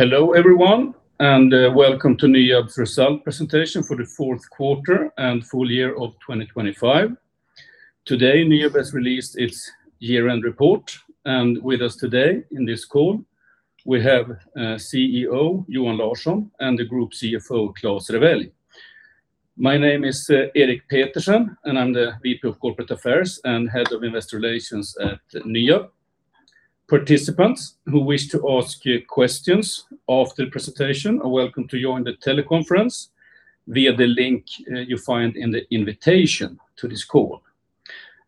Hello, everyone, and welcome to NYAB's result presentation for the fourth quarter and full year of 2025. Today, NYAB has released its year-end report, and with us today in this call, we have CEO Johan Larsson and the Group CFO, Klas Rewelj. My name is Erik Petersen, and I'm the VP of Corporate Affairs and Head of Investor Relations at NYAB. Participants who wish to ask your questions after the presentation are welcome to join the teleconference via the link you find in the invitation to this call.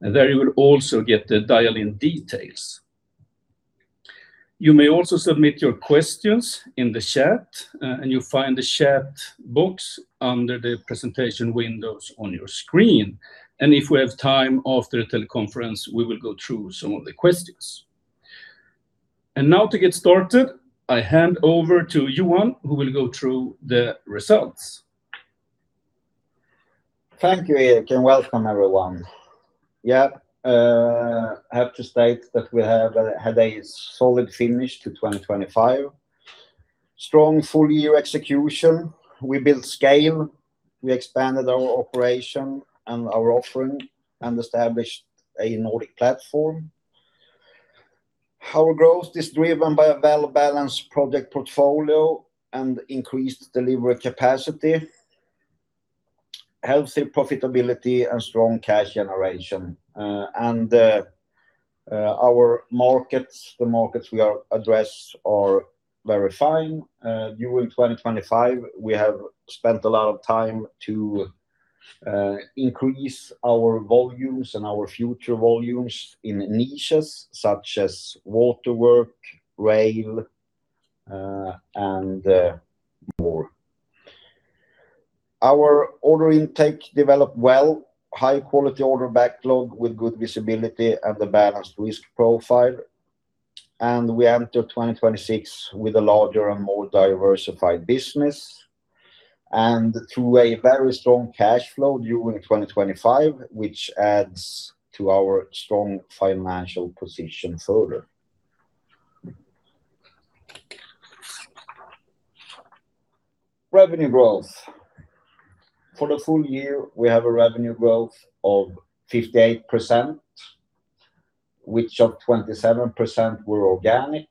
There you will also get the dial-in details. You may also submit your questions in the chat, and you'll find the chat box under the presentation windows on your screen. If we have time after the teleconference, we will go through some of the questions. Now, to get started, I hand over to Johan, who will go through the results. Thank you, Erik, and welcome, everyone. Yeah, I have to state that we have had a solid finish to 2025. Strong full year execution. We built scale, we expanded our operation and our offering, and established a Nordic platform. Our growth is driven by a well-balanced project portfolio and increased delivery capacity, healthy profitability, and strong cash generation. Our markets, the markets we are addressed are very fine. During 2025, we have spent a lot of time to increase our volumes and our future volumes in niches such as waterwork, rail, and more. Our order intake developed well, high quality order backlog with good visibility and a balanced risk profile. We enter 2026 with a larger and more diversified business, and through a very strong cash flow during 2025, which adds to our strong financial position further. Revenue growth. For the full year, we have a revenue growth of 58%, which of 27% were organic.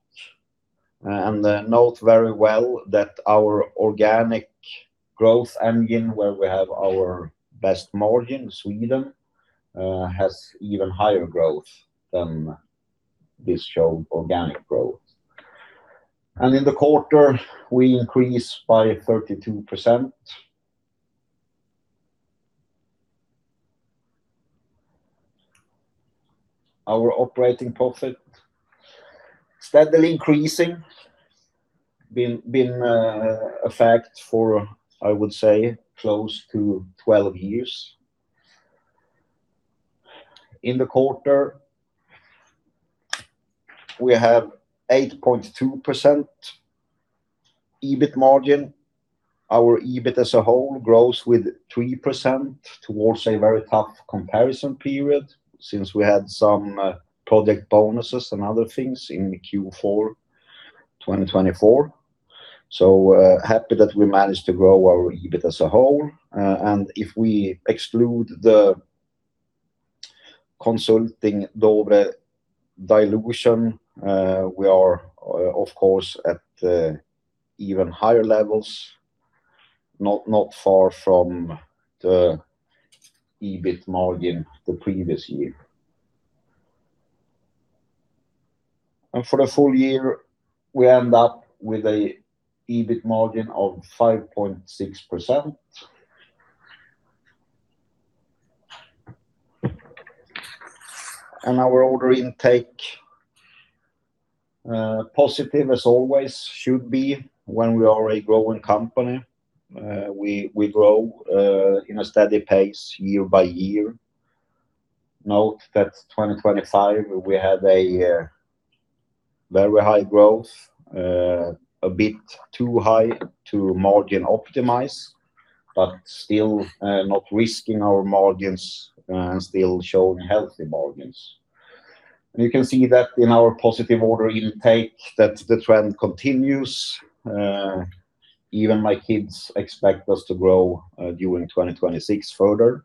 And note very well that our organic growth engine, where we have our best margin, Sweden, has even higher growth than this shown organic growth. And in the quarter, we increase by 32%. Our operating profit steadily increasing, been a fact for, I would say, close to 12 years. In the quarter, we have 8.2% EBIT margin. Our EBIT as a whole grows with 3% towards a very tough comparison period since we had some project bonuses and other things in Q4 2024. So, happy that we managed to grow our EBIT as a whole. And if we exclude the consulting Dovre dilution, we are, of course, at even higher levels, not far from the EBIT margin the previous year. And for the full year, we end up with a EBIT margin of 5.6%. And our order intake, positive as always should be when we are a growing company. We grow in a steady pace year by year. Note that 2025, we had a very high growth, a bit too high to margin optimize, but still, not risking our margins, and still showing healthy margins. And you can see that in our positive order intake, that the trend continues. Even my kids expect us to grow during 2026 further.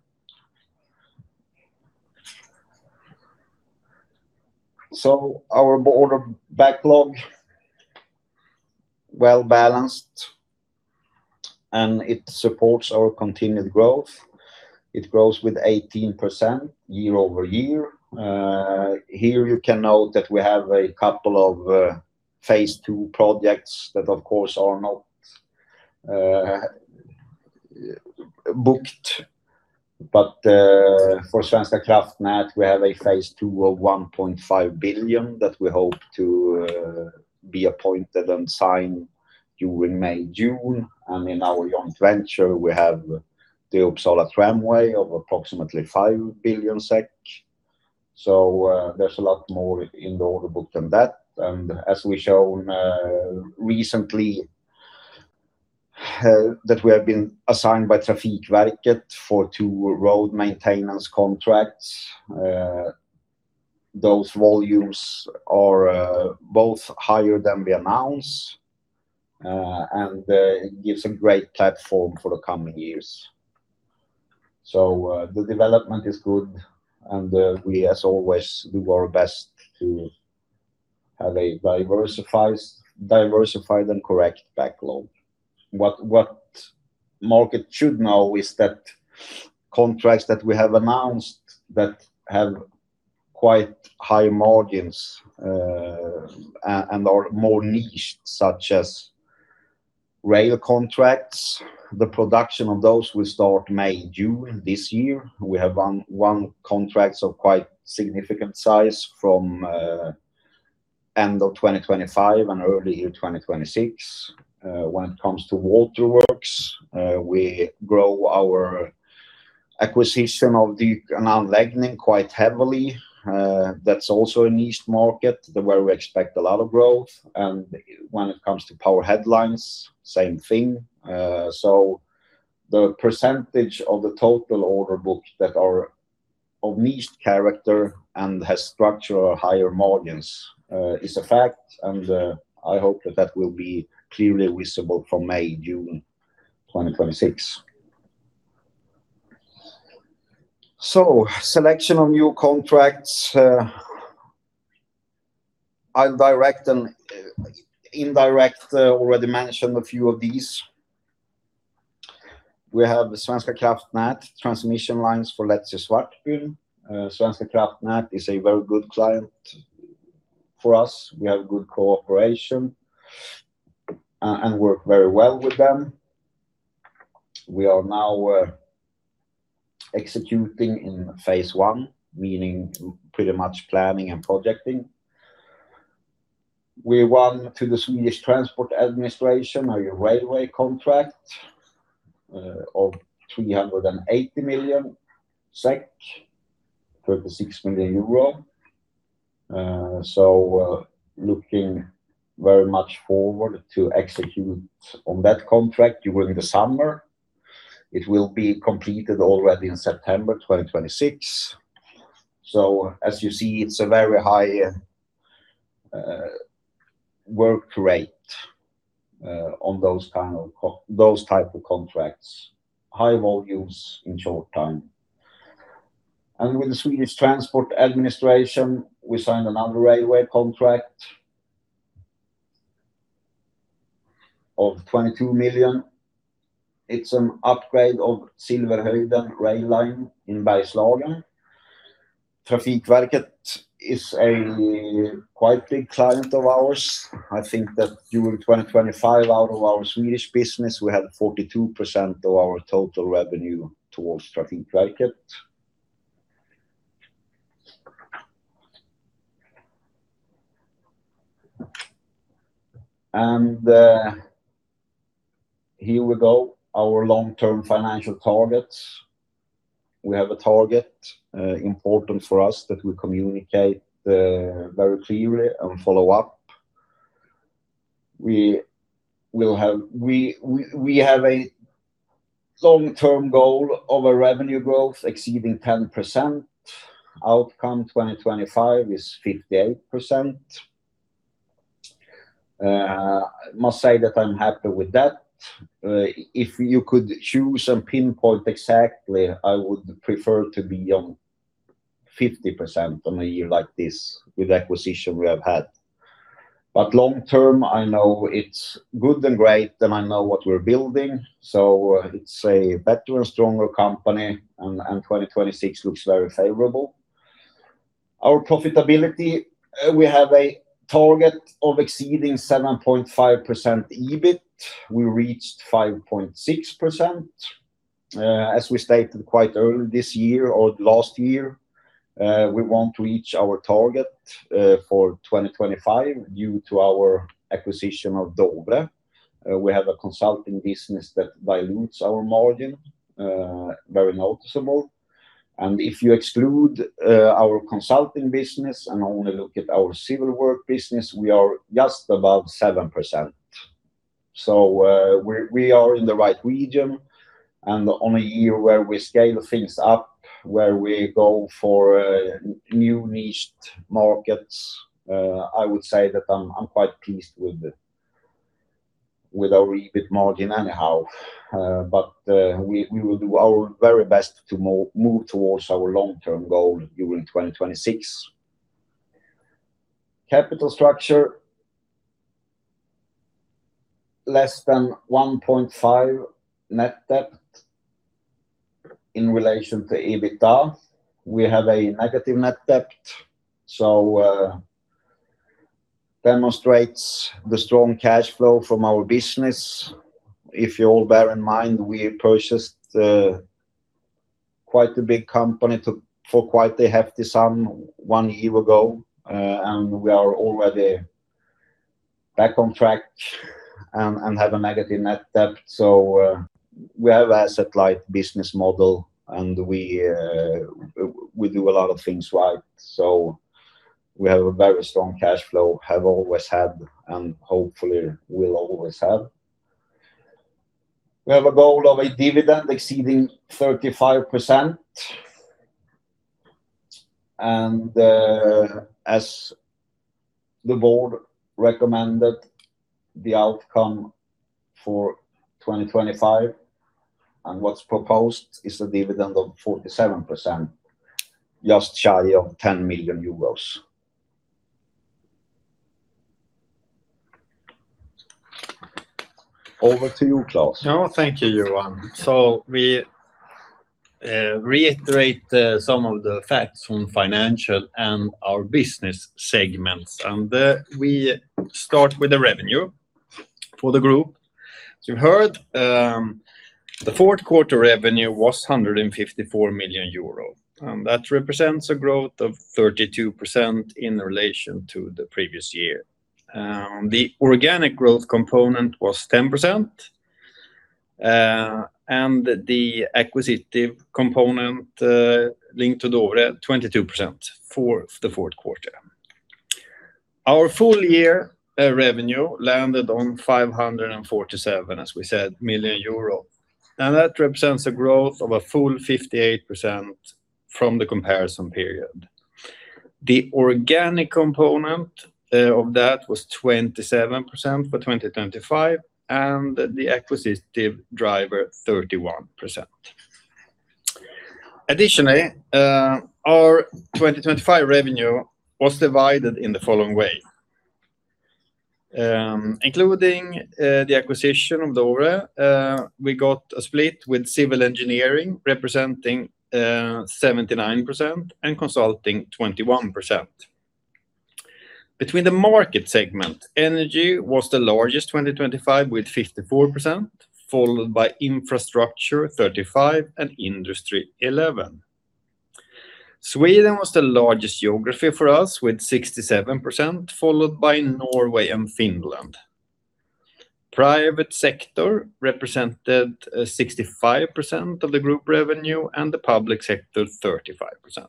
So our order backlog, well-balanced, and it supports our continued growth. It grows with 18% year-over-year. Here you can note that we have a couple of phase two projects that of course are not booked. But for Svenska kraftnät, we have a phase two of 1.5 billion that we hope to be appointed and sign during May, June. And in our joint venture, we have the Uppsala Tramway of approximately 5 billion SEK. So there's a lot more in the order book than that. And as we shown recently that we have been assigned by Trafikverket for two road maintenance contracts. Those volumes are both higher than we announced and it gives a great platform for the coming years. So, the development is good, and we, as always, do our best to have a diversified and correct backlog. What market should know is that contracts that we have announced that have quite high margins, and are more niche, such as rail contracts, the production of those will start May, June this year. We have won contracts of quite significant size from the end of 2025 and early 2026. When it comes to waterworks, we grow our acquisition of Dyk & Anläggning quite heavily. That's also a niche market where we expect a lot of growth. And when it comes to power lines, same thing. So the percentage of the total order book that are of niche character and has structural higher margins is a fact, and I hope that that will be clearly visible from May, June 2026. So selection of new contracts, all direct and indirect, already mentioned a few of these. We have the Svenska kraftnät transmission lines for Letsi–Svartbyn. Svenska kraftnät is a very good client for us. We have good cooperation and work very well with them. We are now executing in phase one, meaning pretty much planning and projecting. We won to the Swedish Transport Administration a railway contract of 380 million SEK, 36 million euro. So looking very much forward to execute on that contract during the summer. It will be completed already in September 2026. So as you see, it's a very high work rate on those kind of those type of contracts. High volumes in short time. With the Swedish Transport Administration, we signed another railway contract of 22 million. It's an upgrade of Silverhöjden rail line in Bergslagen. Trafikverket is a quite big client of ours. I think that during 2025, out of our Swedish business, we had 42% of our total revenue towards Trafikverket. And here we go. Our long-term financial targets. We have a target important for us that we communicate very clearly and follow up. We have a long-term goal of a revenue growth exceeding 10%. Outcome 2025 is 58%. I must say that I'm happy with that. If you could choose and pinpoint exactly, I would prefer to be on 50% on a year like this with acquisition we have had. But long term, I know it's good and great, and I know what we're building, so it's a better and stronger company, and, and 2026 looks very favorable. Our profitability, we have a target of exceeding 7.5% EBIT. We reached 5.6%. As we stated quite early this year or last year, we won't reach our target for 2025 due to our acquisition of Dovre. We have a consulting business that dilutes our margin very noticeable. And if you exclude our consulting business and only look at our civil work business, we are just above 7%. So, we are in the right region, and on a year where we scale things up, where we go for new niched markets, I would say that I'm quite pleased with our EBIT margin anyhow. But we will do our very best to move towards our long-term goal during 2026. Capital structure. Less than 1.5 net debt in relation to EBITDA. We have a negative net debt, so demonstrates the strong cash flow from our business. If you all bear in mind, we purchased quite a big company for quite a hefty sum one year ago, and we are already back on track and have a negative net debt. So, we have an asset-light business model, and we, we do a lot of things right, so we have a very strong cash flow, have always had, and hopefully will always have. We have a goal of a dividend exceeding 35%. And, as the board recommended, the outcome for 2025, and what's proposed is a dividend of 47%, just shy of EUR 10 million. Over to you, Klas. Thank you, Johan. So we reiterate some of the facts from financial and our business segments. And we start with the revenue for the group. You heard the fourth quarter revenue was 154 million euro, and that represents a growth of 32% in relation to the previous year. The organic growth component was 10%, and the acquisitive component linked to the over 22% for the fourth quarter. Our full year revenue landed on 547 million, as we said, and that represents a growth of a full 58% from the comparison period. The organic component of that was 27% for 2025, and the acquisitive driver 31%. Additionally, our 2025 revenue was divided in the following way: including the acquisition of Dovre, we got a split, with civil engineering representing 79% and consulting 21%. Between the market segment, energy was the largest 2025, with 54%, followed by infrastructure, 35%, and industry, 11%. Sweden was the largest geography for us, with 67%, followed by Norway and Finland. Private sector represented 65% of the group revenue, and the public sector, 35%.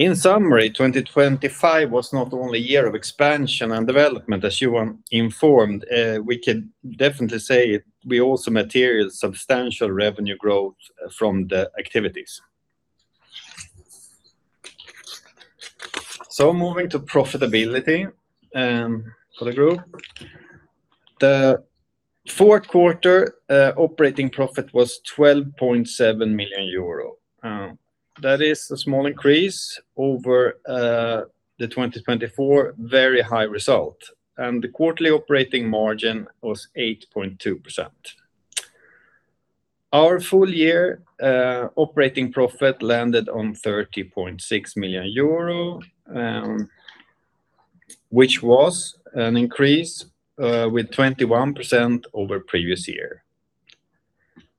In summary, 2025 was not only a year of expansion and development, as Johan informed, we can definitely say we also material substantial revenue growth from the activities. So moving to profitability, for the group. The fourth quarter operating profit was 12.7 million euro. That is a small increase over the 2024 very high result, and the quarterly operating margin was 8.2%. Our full year operating profit landed on 30.6 million euro, which was an increase with 21% over previous year.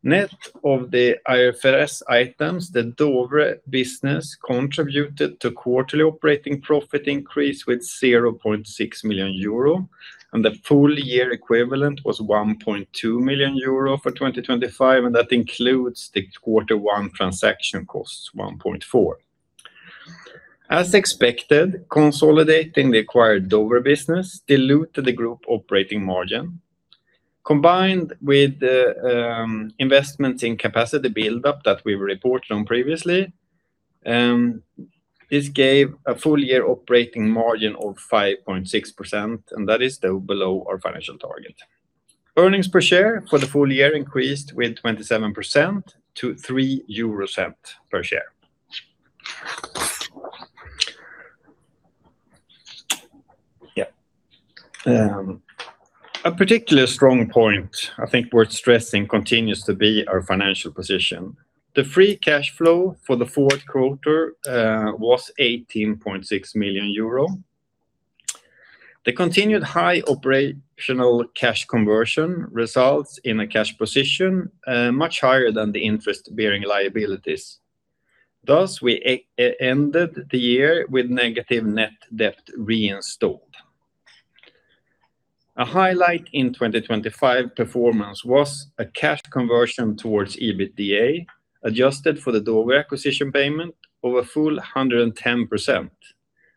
Net of the IFRS items, the Dovre business contributed to quarterly operating profit increase with 0.6 million euro, and the full year equivalent was 1.2 million euro for 2025, and that includes the quarter one transaction costs, 1.4 million. As expected, consolidating the acquired Dovre business diluted the group operating margin. Combined with the investments in capacity build-up that we reported on previously, this gave a full year operating margin of 5.6%, and that is still below our financial target. Earnings per share for the full year increased with 27% to 0.03 per share. Yeah. A particularly strong point, I think worth stressing, continues to be our financial position. The free cash flow for the fourth quarter was 18.6 million euro. The continued high operational cash conversion results in a cash position much higher than the interest-bearing liabilities. Thus, we ended the year with negative net debt position. A highlight in 2025 performance was a cash conversion towards EBITDA, adjusted for the Dovre acquisition payment over a full 110%,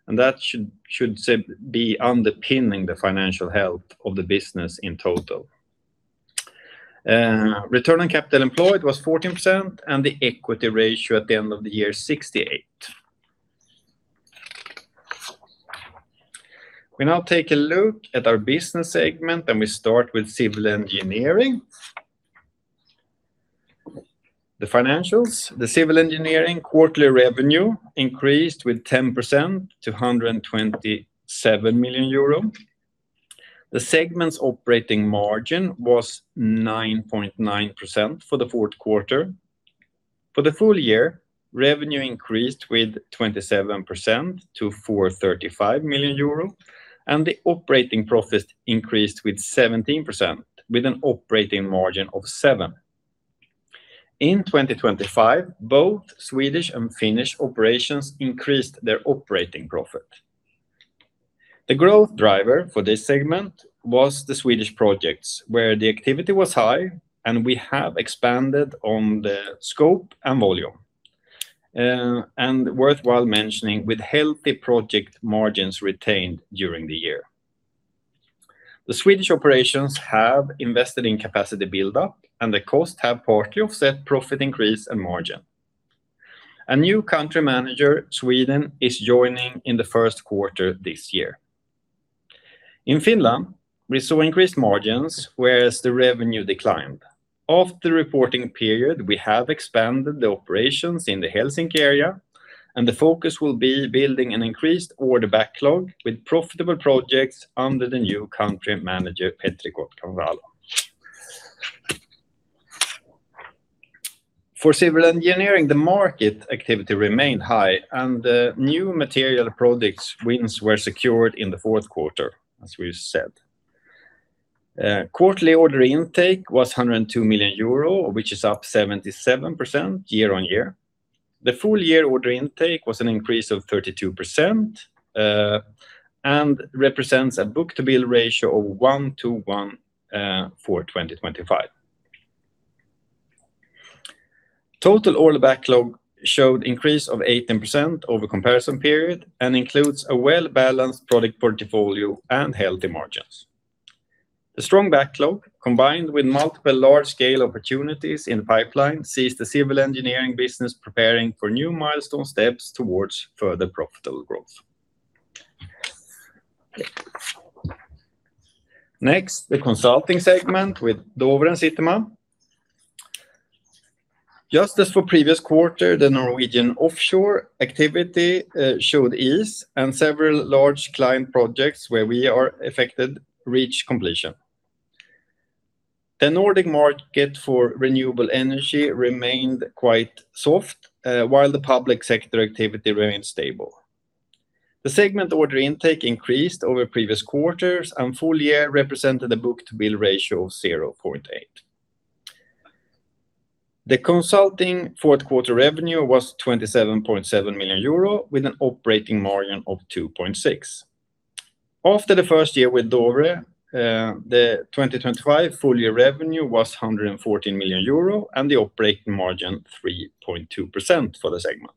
and that should be underpinning the financial health of the business in total. Return on capital employed was 14%, and the equity ratio at the end of the year, 68%. We now take a look at our business segment, and we start with civil engineering. The financials, the civil engineering quarterly revenue increased with 10% to 127 million euro. The segment's operating margin was 9.9% for the fourth quarter. For the full year, revenue increased with 27% to 435 million euro, and the operating profit increased with 17%, with an operating margin of 7%. In 2025, both Swedish and Finnish operations increased their operating profit. The growth driver for this segment was the Swedish projects, where the activity was high, and we have expanded on the scope and volume. And worthwhile mentioning, with healthy project margins retained during the year. The Swedish operations have invested in capacity build-up, and the costs have partly offset profit increase and margin. A new country manager, Sweden, is joining in the first quarter this year. In Finland, we saw increased margins, whereas the revenue declined. After reporting period, we have expanded the operations in the Helsinki area, and the focus will be building an increased order backlog with profitable projects under the new country manager, Petri Kotkansalo. For civil engineering, the market activity remained high, and the new material projects wins were secured in the fourth quarter, as we said. Quarterly order intake was 102 million euro, which is up 77% year-on-year. The full year order intake was an increase of 32%, and represents a book-to-bill ratio of 1:1 for 2025. Total order backlog showed increase of 18% over comparison period and includes a well-balanced product portfolio and healthy margins. The strong backlog, combined with multiple large-scale opportunities in the pipeline, sees the civil engineering business preparing for new milestone steps towards further profitable growth. Next, the consulting segment with Dovre and Sitema. Just as for previous quarter, the Norwegian offshore activity showed ease, and several large client projects where we are affected reached completion. The Nordic market for renewable energy remained quite soft, while the public sector activity remained stable. The segment order intake increased over previous quarters, and full year represented a book-to-bill ratio of 0.8. The consulting fourth quarter revenue was 27.7 million euro, with an operating margin of 2.6. After the first year with Dovre, the 2025 full year revenue was 114 million euro, and the operating margin 3.2% for the segment.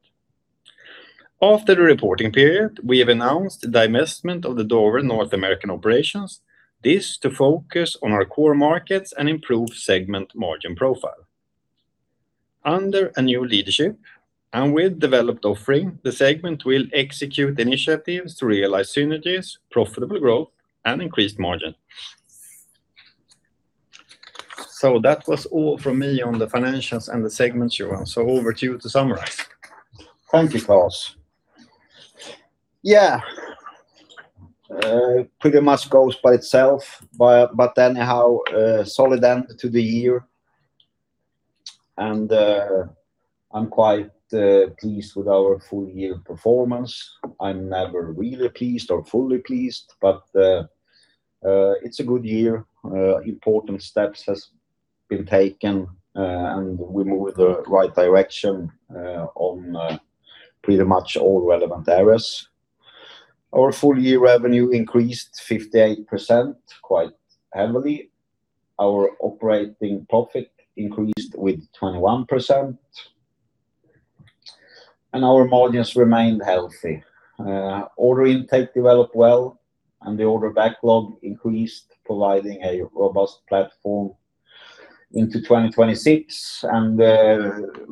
After the reporting period, we have announced the divestment of the Dovre North American operations, this to focus on our core markets and improve segment margin profile. Under a new leadership and with developed offering, the segment will execute initiatives to realize synergies, profitable growth, and increased margin. So that was all from me on the financials and the segments, Johan. So over to you to summarize. Thank you, Klas. Yeah, pretty much goes by itself, but anyhow, a solid end to the year, and I'm quite pleased with our full year performance. I'm never really pleased or fully pleased, but it's a good year. Important steps has been taken, and we move in the right direction on pretty much all relevant areas. Our full year revenue increased 58%, quite heavily. Our operating profit increased with 21%, and our margins remained healthy. Order intake developed well, and the order backlog increased, providing a robust platform into 2026, and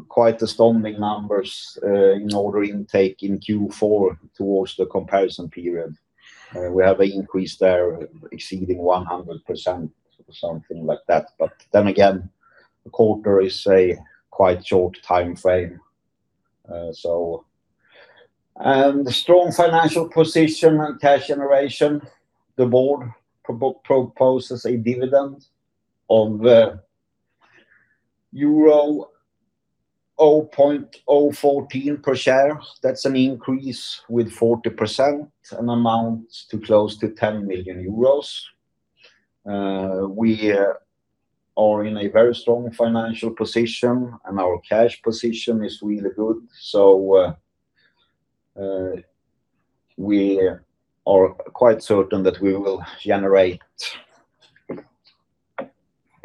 quite astounding numbers in order intake in Q4 towards the comparison period. We have an increase there exceeding 100% or something like that, but then again, the quarter is a quite short time frame, so. And the strong financial position and cash generation, the board proposes a dividend of euro 0.014 per share. That's an increase with 40% and amounts to close to 10 million euros. We are in a very strong financial position, and our cash position is really good. So, we are quite certain that we will generate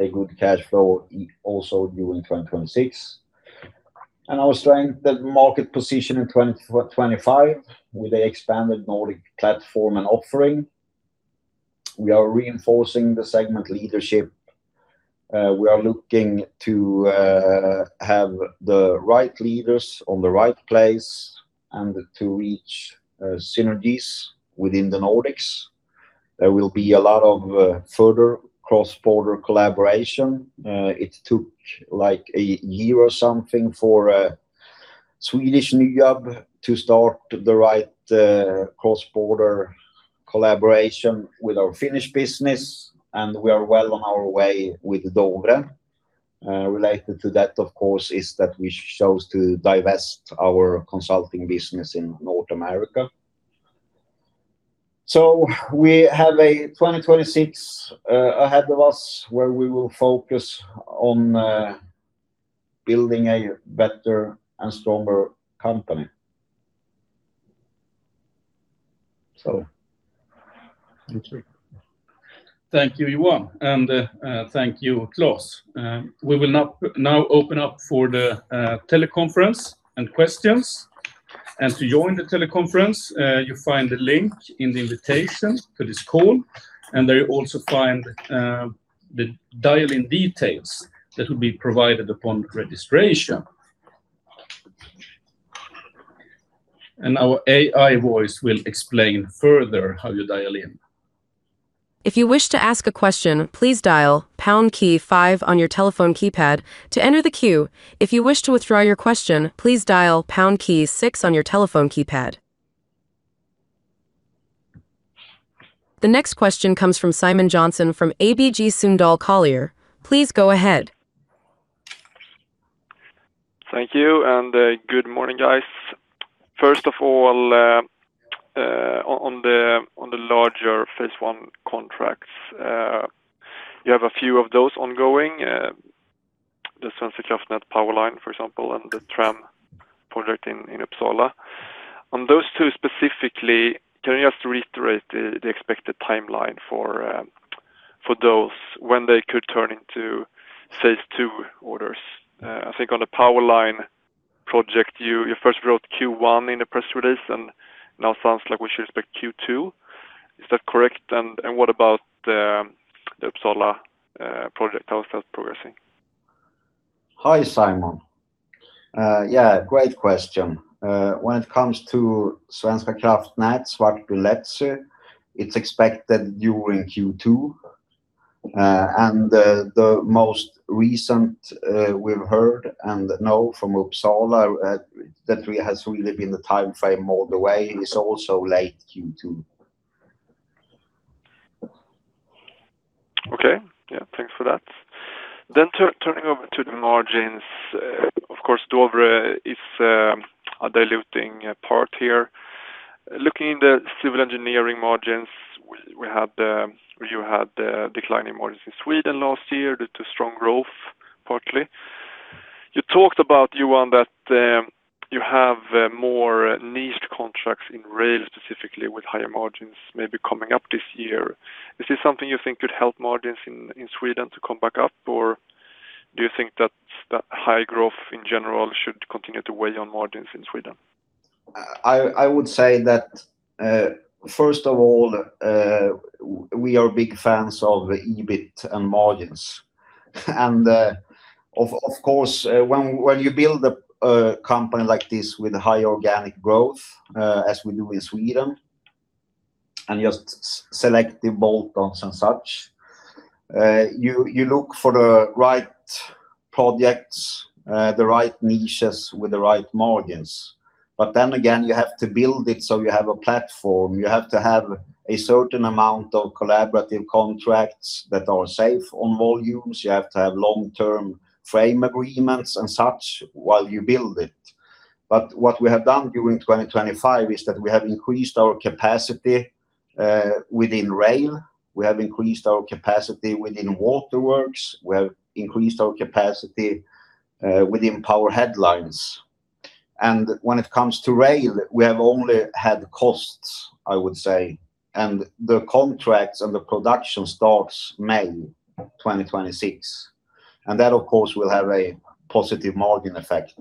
a good cash flow, also during 2026. And our strengthened market position in 2025, with a expanded Nordic platform and offering, we are reinforcing the segment leadership. We are looking to have the right leaders on the right place and to reach synergies within the Nordics. There will be a lot of further cross-border collaboration. It took, like, a year or something for Swedish NYAB to start the right cross-border collaboration with our Finnish business, and we are well on our way with Dovre. Related to that, of course, is that we chose to divest our consulting business in North America. So we have a 2026 ahead of us, where we will focus on building a better and stronger company. So thank you. Thank you, Johan, and thank you, Klas. We will now open up for the teleconference and questions. To join the teleconference, you find the link in the invitation to this call, and there you also find the dial-in details that will be provided upon registration. Our AI voice will explain further how you dial in. If you wish to ask a question, please dial pound key five on your telephone keypad to enter the queue. If you wish to withdraw your question, please dial pound key six on your telephone keypad. The next question comes from Simon Jönsson from ABG Sundal Collier. Please go ahead. Thank you, and good morning, guys. First of all, on the larger phase one contracts, you have a few of those ongoing, the Svenska kraftnät power line, for example, and the tram project in Uppsala. On those two specifically, can you just reiterate the expected timeline for those, when they could turn into phase two orders? I think on the power line project, you first wrote Q1 in the press release, and now it sounds like we should expect Q2. Is that correct? And what about the Uppsala project? How is that progressing? Hi, Simon. Yeah, great question. When it comes to Svenska kraftnät, Letsi–Svartbyn, it's expected during Q2. And the most recent, we've heard and know from Uppsala, that we has really been the timeframe all the way, is also late Q2. Okay. Yeah, thanks for that. Then turning over to the margins, of course, Dovre is a diluting part here. Looking in the civil engineering margins, you had a decline in margins in Sweden last year due to strong growth, partly. You talked about, Johan, that you have more niched contracts in rail, specifically with higher margins maybe coming up this year. Is this something you think could help margins in Sweden to come back up? Or do you think that high growth in general should continue to weigh on margins in Sweden? I would say that, first of all, we are big fans of EBIT and margins. And, of course, when you build a company like this with high organic growth, as we do in Sweden, and just selective bolt-ons and such, you look for the right projects, the right niches with the right margins. But then again, you have to build it so you have a platform. You have to have a certain amount of collaborative contracts that are safe on volumes. You have to have long-term frame agreements and such while you build it. But what we have done during 2025 is that we have increased our capacity within rail. We have increased our capacity within waterworks. We have increased our capacity within power lines. When it comes to rail, we have only had costs, I would say, and the contracts and the production starts May 2026, and that, of course, will have a positive margin effect.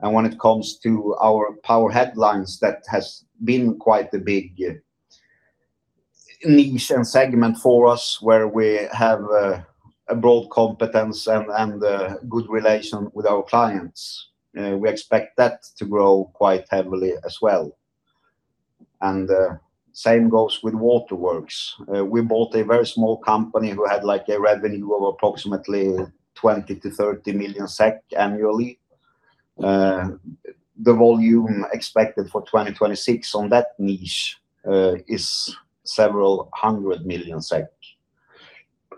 When it comes to our power lines, that has been quite a big niche and segment for us, where we have a broad competence and good relation with our clients. We expect that to grow quite heavily as well. Same goes with waterworks. We bought a very small company who had, like, a revenue of approximately 20 million-30 million SEK annually. The volume expected for 2026 on that niche is several hundred million SEK,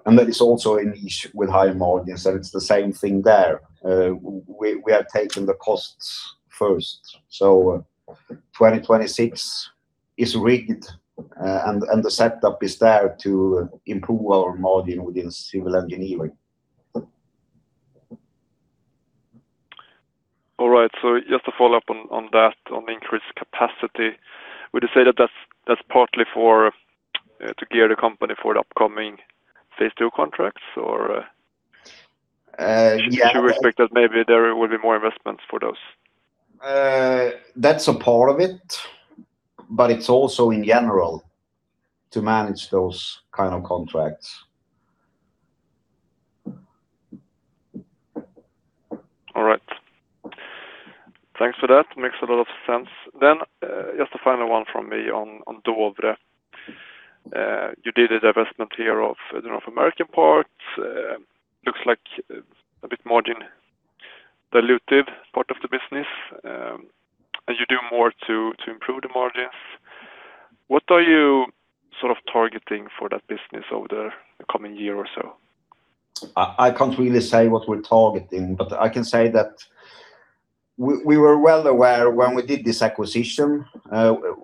and that is also a niche with higher margins, so it's the same thing there. We are taking the costs first. So 2026 is rigged, and the setup is there to improve our margin within civil engineering. All right. So just to follow up on, on that, on the increased capacity, would you say that that's, that's partly for to gear the company for the upcoming phase II contracts? Or- Uh, yeah- Should we expect that maybe there will be more investments for those? That's a part of it, but it's also in general to manage those kind of contracts. All right. Thanks for that. Makes a lot of sense. Then, just a final one from me on Dovre. You did a divestment here of the North American part. Looks like a bit margin dilutive part of the business, as you do more to improve the margins. What are you sort of targeting for that business over the coming year or so? I can't really say what we're targeting, but I can say that we were well aware when we did this acquisition,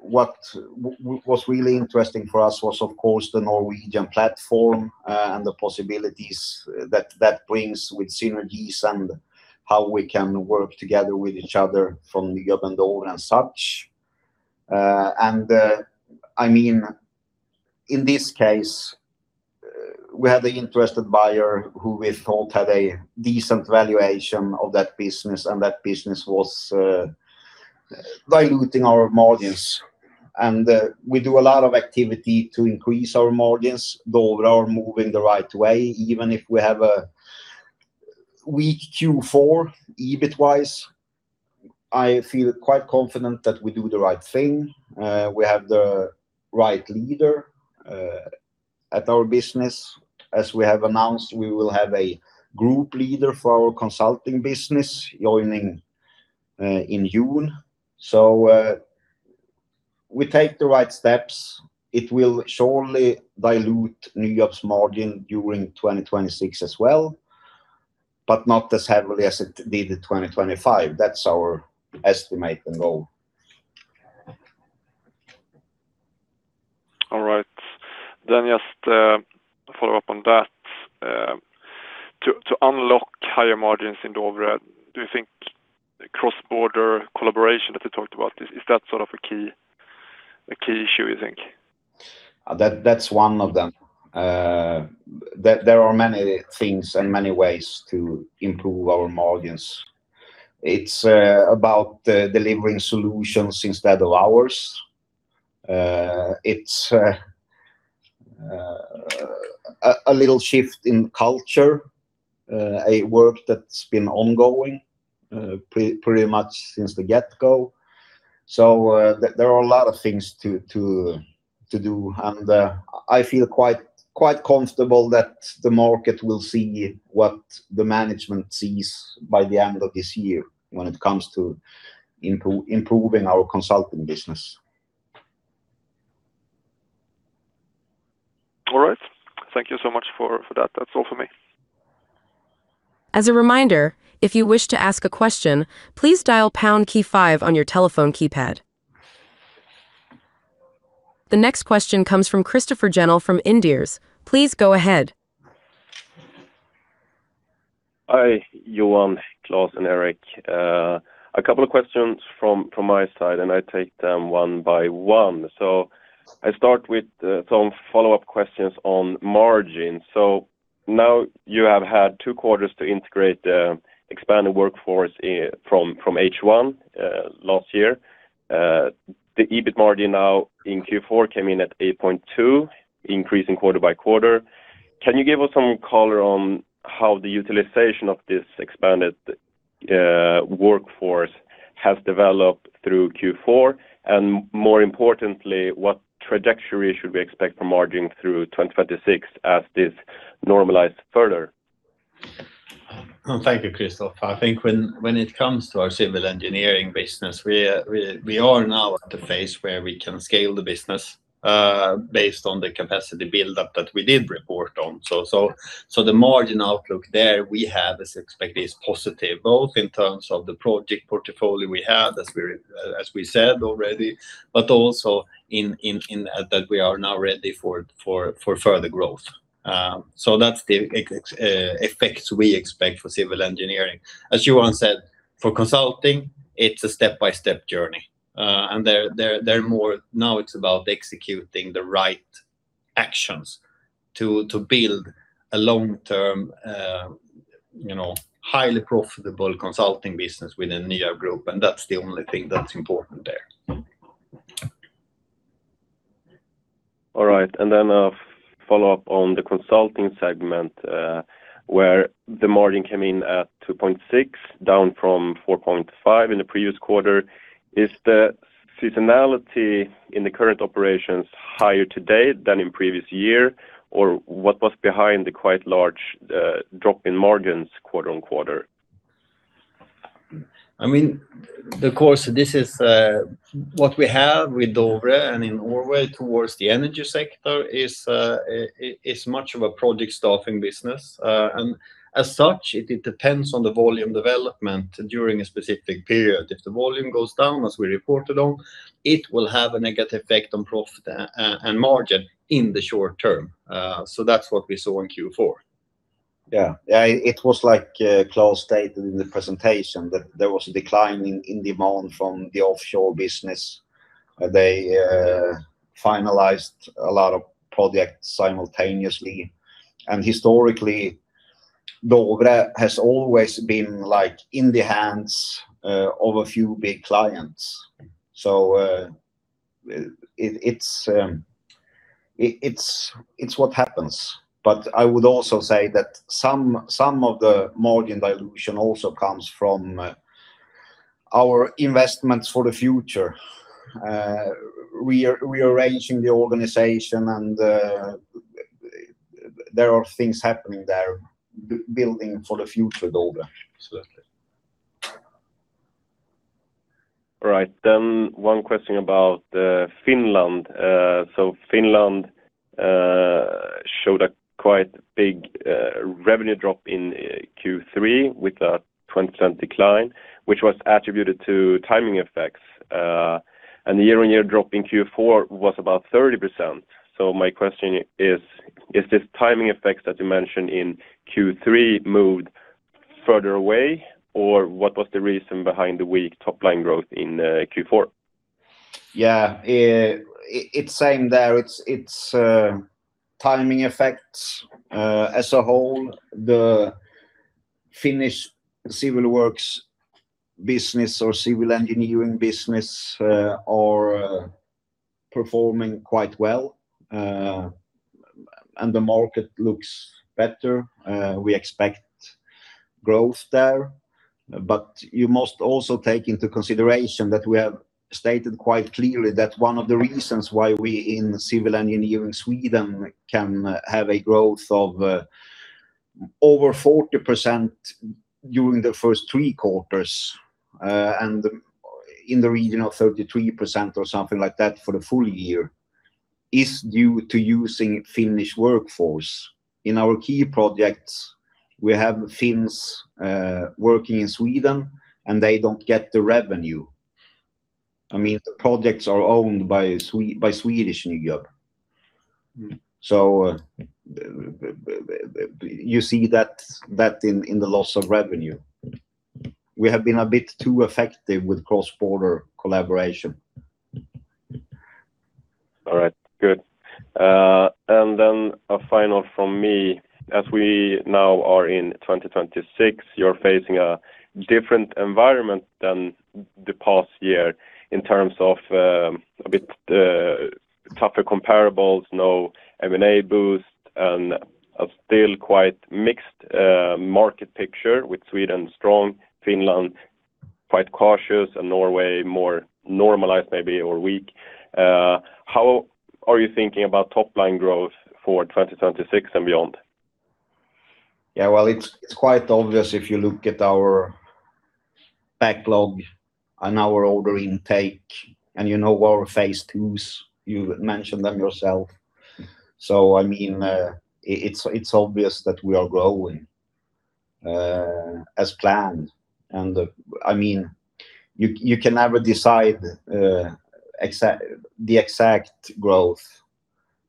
what was really interesting for us was, of course, the Norwegian platform, and the possibilities that brings with synergies and how we can work together with each other from NYAB and Dovre and such. And, I mean, in this case, we had an interested buyer who we thought had a decent valuation of that business, and that business was diluting our margins. And, we do a lot of activity to increase our margins. Dovre are moving the right way, even if we have a weak Q4 EBIT-wise, I feel quite confident that we do the right thing. We have the right leader at our business. As we have announced, we will have a group leader for our consulting business joining in June. We take the right steps. It will surely dilute NYAB's margin during 2026 as well, but not as heavily as it did in 2025. That's our estimate and goal. All right. Then just follow up on that. To unlock higher margins in Dovre, do you think the cross-border collaboration that you talked about is that sort of a key issue, you think? That, that's one of them. There are many things and many ways to improve our margins. It's about delivering solutions instead of hours. It's a little shift in culture, a work that's been ongoing, pretty much since the get-go. So, there are a lot of things to do, and I feel quite comfortable that the market will see what the management sees by the end of this year when it comes to improving our consulting business. All right. Thank you so much for that. That's all for me. As a reminder, if you wish to ask a question, please dial pound key five on your telephone keypad. The next question comes from Christoffer Jennel from Inderes. Please go ahead. Hi, Johan, Klas, and Erik. A couple of questions from my side, and I take them one by one. So I start with some follow-up questions on margin. So now you have had two quarters to integrate the expanded workforce from H1 last year. The EBIT margin now in Q4 came in at 8.2%, increasing quarter by quarter. Can you give us some color on how the utilization of this expanded workforce has developed through Q4? And more importantly, what trajectory should we expect from margin through 2026 as this normalized further? Thank you, Christoffer. I think when it comes to our civil engineering business, we are now at the phase where we can scale the business based on the capacity build-up that we did report on. So the margin outlook there, we have as expected, is positive, both in terms of the project portfolio we have, as we said already, but also in that we are now ready for further growth. So that's the effects we expect for civil engineering. As Johan said, for consulting, it's a step-by-step journey. And they're more, now it's about executing the right actions to build a long-term, you know, highly profitable consulting business within NYAB Group, and that's the only thing that's important there. All right, and then a follow-up on the consulting segment, where the margin came in at 2.6, down from 4.5 in the previous quarter. Is the seasonality in the current operations higher today than in previous year? Or what was behind the quite large drop in margins quarter on quarter? I mean, of course, this is what we have with Dovre and in Norway towards the energy sector is much of a project staffing business. And as such, it depends on the volume development during a specific period. If the volume goes down, as we reported on, it will have a negative effect on profit, and margin in the short term. So that's what we saw in Q4. Yeah, it was like, Klas stated in the presentation, that there was a decline in demand from the offshore business. They finalized a lot of projects simultaneously. And historically, Dovre has always been, like, in the hands of a few big clients. So, it's what happens. But I would also say that some of the margin dilution also comes from our investments for the future. We are rearranging the organization, and there are things happening there, building for the future Dovre. Absolutely. All right, then one question about Finland. So Finland showed a quite big revenue drop in Q3 with a 20% decline, which was attributed to timing effects. And the year-on-year drop in Q4 was about 30%. So my question is: Is this timing effects that you mentioned in Q3 moved further away, or what was the reason behind the weak top-line growth in Q4? Yeah, it's the same there. It's timing effects. As a whole, the Finnish civil works business or civil engineering business are performing quite well, and the market looks better. We expect growth there, but you must also take into consideration that we have stated quite clearly that one of the reasons why we in civil engineering Sweden can have a growth of over 40% during the first three quarters, and in the region of 33% or something like that for the full year, is due to using Finnish workforce. In our key projects, we have Finns working in Sweden, and they don't get the revenue. I mean, the projects are owned by Swedish NYAB. So, you see that in the loss of revenue. We have been a bit too effective with cross-border collaboration. All right, good. And then a final from me. As we now are in 2026, you're facing a different environment than the past year in terms of, a bit, tougher comparables, no M&A boost, and a still quite mixed, market picture, with Sweden strong, Finland quite cautious, and Norway more normalized, maybe, or weak. How are you thinking about top-line growth for 2026 and beyond? Yeah, well, it's quite obvious if you look at our backlog and our order intake, and you know our phase twos, you mentioned them yourself. So, I mean, it's obvious that we are growing as planned. And, I mean, you can never decide the exact growth,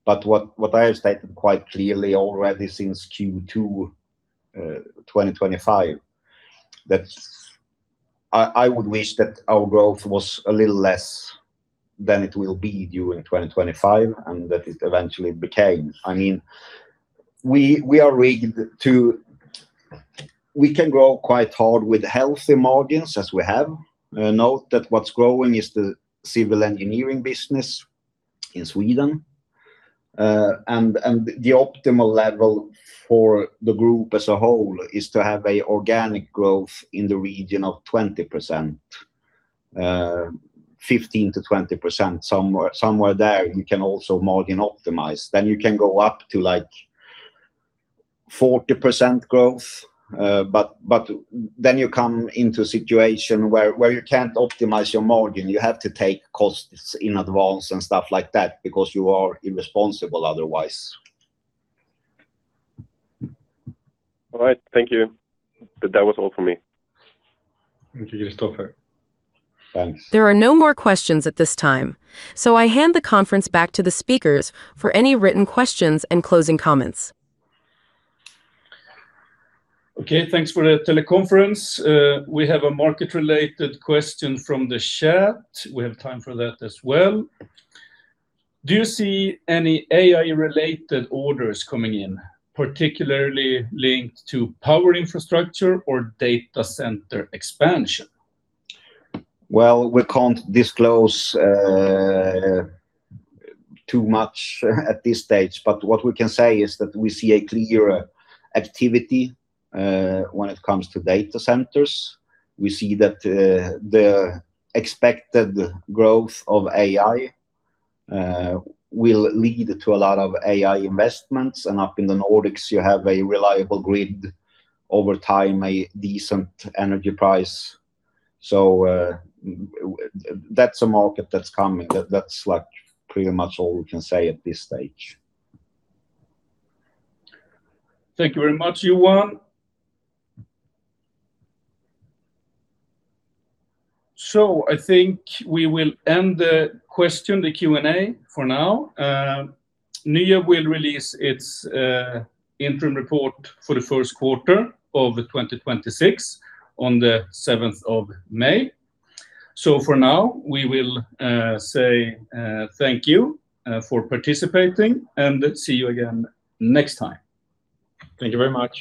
but what I have stated quite clearly already since Q2 2025, that I would wish that our growth was a little less than it will be during 2025, and that it eventually became. I mean, we are ready to, we can grow quite hard with healthy margins, as we have. Note that what's growing is the civil engineering business in Sweden. The optimal level for the group as a whole is to have a organic growth in the region of 20%, 15%-20%, somewhere, somewhere there you can also margin optimize. Then you can go up to, like, 40% growth, but then you come into a situation where you can't optimize your margin. You have to take costs in advance and stuff like that because you are irresponsible otherwise. All right. Thank you. That was all for me. Thank you, Christoffer. Thanks. There are no more questions at this time, so I hand the conference back to the speakers for any written questions and closing comments. Okay, thanks for the teleconference. We have a market-related question from the chat. We have time for that as well. Do you see any AI-related orders coming in, particularly linked to power infrastructure or data center expansion? Well, we can't disclose too much at this stage, but what we can say is that we see a clearer activity when it comes to data centers. We see that the expected growth of AI will lead to a lot of AI investments, and up in the Nordics, you have a reliable grid over time, a decent energy price. So that's a market that's coming. That's like pretty much all we can say at this stage. Thank you very much, Johan. So I think we will end the question, the Q&A for now. NYAB will release its interim report for the first quarter of 2026 on May 7th. So for now, we will say thank you for participating, and see you again next time. Thank you very much.